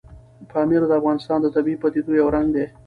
پامیر د افغانستان د طبیعي پدیدو یو رنګ دی.